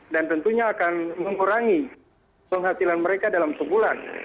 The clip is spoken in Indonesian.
dan tentunya akan mengurangi penghasilan mereka dalam sebulan